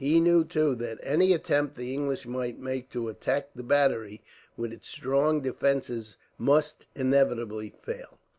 He knew, too, that any attempt the English might make to attack the battery, with its strong defences, must inevitably fail.